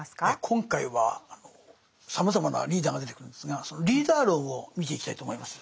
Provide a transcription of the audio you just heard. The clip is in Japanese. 今回はさまざまなリーダーが出てくるんですがそのリーダー論を見ていきたいと思います。